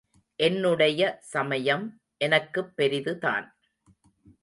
என்னுடைய சமயம் எனக்குப் பெரிதுதான்.